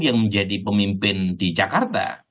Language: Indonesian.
yang menjadi pemimpin di jakarta